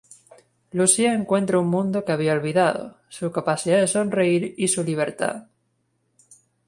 Lucía encuentra un mundo que había olvidado, su capacidad de sonreír y su libertad.